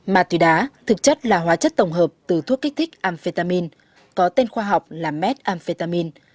ma tuy đá thực chất là hóa chất tổng hợp từ thuốc kích thích amphetamine có tên khoa học là metamphetamine